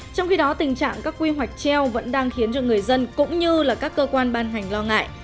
trong khi đó tình trạng các quy hoạch treo vẫn đang khiến cho người dân cũng như là các cơ quan ban ngành lo ngại